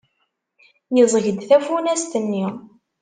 Yeẓẓeg-d tafunast-nni.